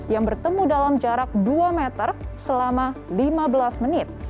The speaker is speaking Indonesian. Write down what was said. yang bertemu dalam jarak dua meter selama lima belas menit